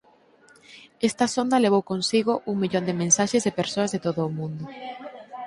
Esta sonda levou consigo un millón de mensaxes de persoas de todo o mundo.